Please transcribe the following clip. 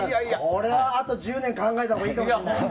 これはあと１０年考えたほうがいいかもしれない。